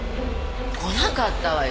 来なかったわよ。